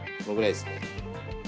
このぐらいですね。